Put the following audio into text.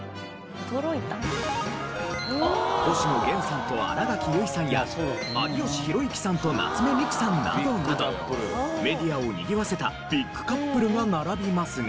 星野源さんと新垣結衣さんや有吉弘行さんと夏目三久さんなどなどメディアをにぎわせたビッグカップルが並びますが。